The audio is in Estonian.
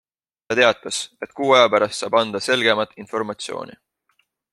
Ta teatas, et kuu aja pärast saab anda selgemat informatsiooni.